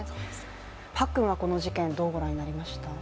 パックンはこの事件どうご覧になりました？